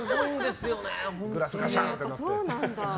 グラスガシャーンってなって。